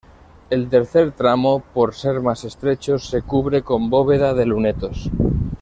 El tercer tramo, por ser más estrecho, se cubre con bóveda de lunetos.